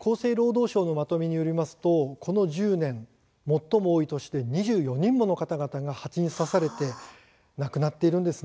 厚生労働省のまとめによりますとこの１０年最も多い年で２４人もの方々が蜂に刺されて亡くなっているんです。